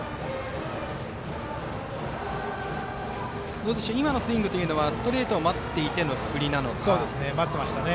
どうでしょう、今のスイングはストレートを待っていての待ってましたね。